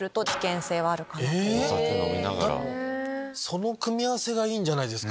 その組み合わせがいいんじゃないですか。